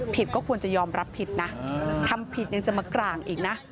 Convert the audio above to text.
ก็ควรจะยอมรับผิดนะทำผิดยังจะมากร่างอีกนะ